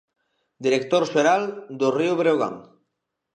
Director Xeral do Río Breogán.